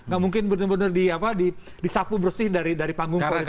gak mungkin benar benar disapu bersih dari panggung politik